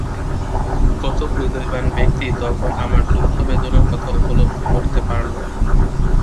কতক হৃদয়বান ব্যক্তি তখন আমার দুঃখ বেদনার কথা উপলব্ধি করতে পারল।